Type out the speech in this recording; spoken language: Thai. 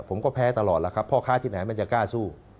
ผมก็แพ้ตลอดแล้วครับพ่อค้าที่ไหนมันจะกล้าสู้